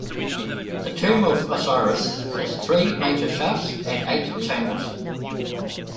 The Tomb of Osiris has three major shafts and eight chambers.